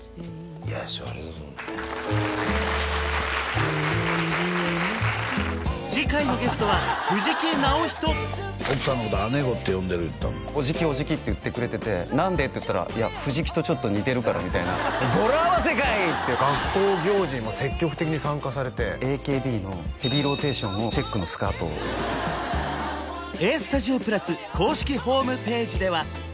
いや師匠次回のゲストは藤木直人奥さんのこと姉御って呼んでる言ってたおじきおじきって言ってくれてて「何で？」って言ったら「いや藤木とちょっと似てるから」みたいな「語呂合わせかい！」って学校行事も積極的に参加されてＡＫＢの「ヘビーローテーション」をチェックのスカートさんまはあんま出ないからね